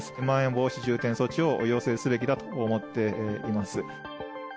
まん延防止重点措置を要請すべきだと思っています。